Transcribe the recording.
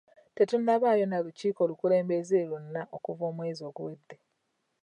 Tetunnabaayo na lukiiko lukulembeze lwonna okuva omwezi oguwedde.